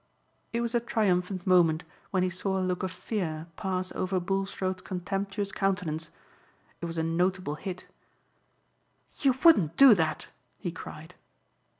It was a triumphant moment when he saw a look of fear pass over Bulstrode's contemptuous countenance. It was a notable hit. "You wouldn't do that?" he cried.